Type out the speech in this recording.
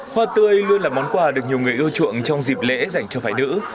hoa tươi luôn là món quà được nhiều người ưa chuộng trong dịp lễ dành cho phái nữ